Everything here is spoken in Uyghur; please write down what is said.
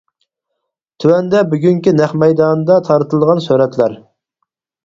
تۆۋەندە بۈگۈنكى نەق مەيداندا تارتىلغان سۈرەتلەر.